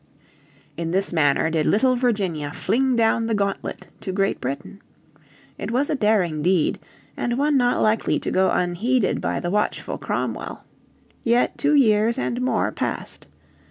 In this manner did little Virginia fling down the gauntlet to Great Britain. It was a daring deed, and one not likely to go unheeded by the watchful Cromwell. Yet two years and more passed.